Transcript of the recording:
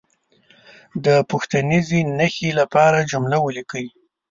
د پوښتنیزې نښې لپاره جمله ولیکي.